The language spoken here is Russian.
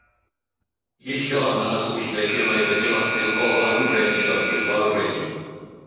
Еще одна насущная тема — это тема стрелкового оружия и легких вооружений.